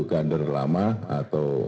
kader lama atau